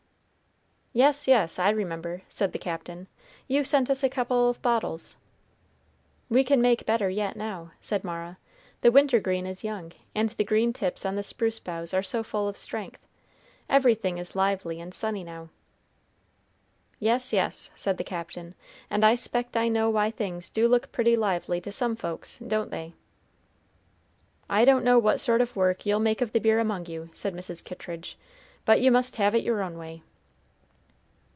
"Yes, yes, I remember," said the Captain, "you sent us a couple of bottles." "We can make better yet now," said Mara. "The wintergreen is young, and the green tips on the spruce boughs are so full of strength. Everything is lively and sunny now." "Yes, yes," said the Captain, "and I 'spect I know why things do look pretty lively to some folks, don't they?" "I don't know what sort of work you'll make of the beer among you," said Mrs. Kittridge; "but you must have it your own way."